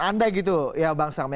andai gitu ya bang sam